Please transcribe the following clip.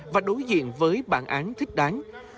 và đối diện với bản án thích đáng